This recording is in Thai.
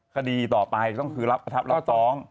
คดีต่อไปต้องคือรับภรรพรับฟ้อง